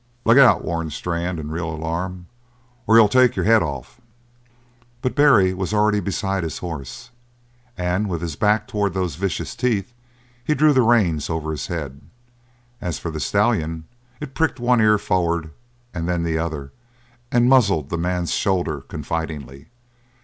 "Look out!" warned Strann in real alarm, "or he'll take your head off!" But Barry was already beside his horse, and, with his back towards those vicious teeth, he drew the reins over its head. As for the stallion, it pricked one ear forward and then the other, and muzzled the man's shoulder confidingly.